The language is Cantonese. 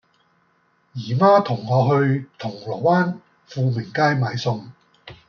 姨媽同我去銅鑼灣富明街買餸